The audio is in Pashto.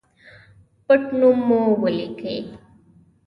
پټنوم مو ولیکئ